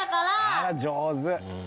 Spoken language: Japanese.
あら上手！